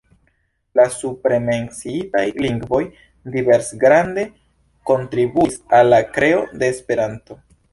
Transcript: La supremenciitaj lingvoj diversgrade kontribuis al la kreo de Esperanto.